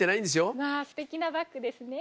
わぁすてきなバッグですね。